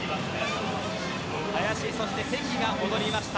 林、そして関が戻りました。